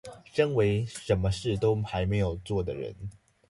身為什麼事都還沒有做的人